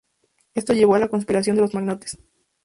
Esto llevó a la conspiración de los Magnates.